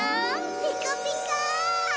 ピカピカ！